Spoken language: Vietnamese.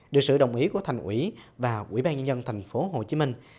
được sự đồng ý của thành ủy và quỹ ban nhân dân thành phố hồ chí minh